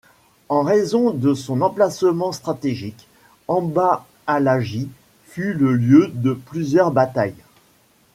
En raison de son emplacement stratégique, Amba Alagi fut le lieu de plusieurs batailles.